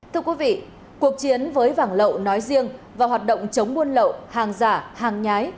thưa quý vị cuộc chiến với vàng lậu nói riêng và hoạt động chống buôn lậu hàng giả hàng nhái